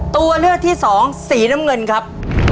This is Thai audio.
ตัวเลือกที่สองสีน้ำเงินครับ